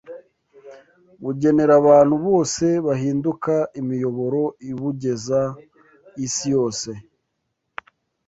bugenera abantu bose bahinduka imiyoboro ibugeza isi yose